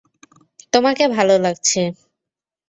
তোমাকে ভালো লাগছে।